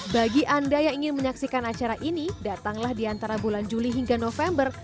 bagi anda yang ingin menyaksikan acara ini datanglah di antara bulan juli hingga november